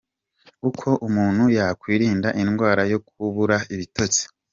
Uko umuntu yakwirinda indwara yo kubura ibitotsi